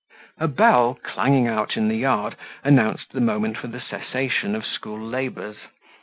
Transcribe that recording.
A bell clanging out in the yard announced the moment for the cessation of school labours.